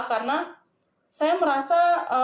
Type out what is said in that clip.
karena saya merasa